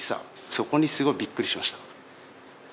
そこにすごいビックリしました。